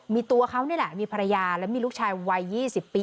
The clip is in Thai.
มีตัวเขานี่แหละมีภรรยาและมีลูกชายวัย๒๐ปี